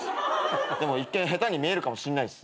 でも一見下手に見えるかもしんないっす。